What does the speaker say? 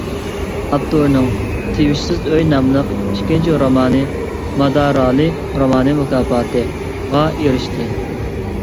ئاپتورنىڭ «تىۋىشسىز ئۆي» ناملىق ئىككىنچى رومانى «مادارالى رومان مۇكاپاتى»غا ئېرىشتى.